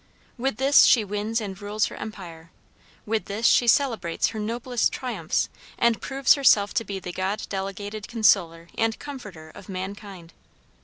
With this she wins and rules her empire, with this she celebrates her noblest triumphs, and proves herself to be the God delegated consoler and comforter of mankind.